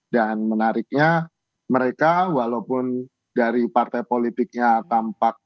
dan menariknya mereka walaupun dari partai politiknya tampak